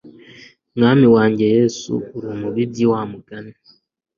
Mwami wanjye Yesu umubibyi wamugani